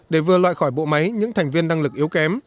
để vừa loại khỏi bộ máy những thành viên năng lực yếu kém